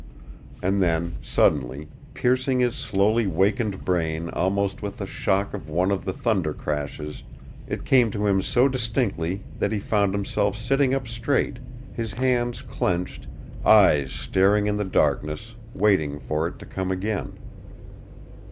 And then, suddenly, piercing his slowly wakening brain almost with the shock of one of the thunder crashes, it came to him so distinctly that he found himself sitting up straight, his hands clenched, eyes staring in the darkness, waiting for it to come again.